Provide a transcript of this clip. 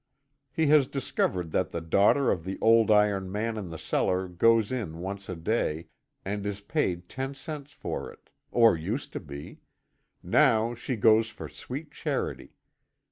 He has discovered that the daughter of the old iron man in the cellar goes in once a day, and is paid ten cents for it or used to be; now she goes for sweet charity.